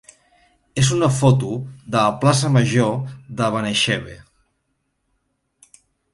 és una foto de la plaça major de Benaixeve.